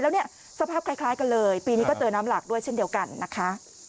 แล้วเนี่ยสภาพคล้ายกันเลยปีนี้ก็เจอน้ำหลากด้วยเช่นเดียวกันนะคะ